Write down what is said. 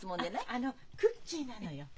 あのクッキーなのよ。